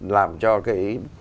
làm cho cái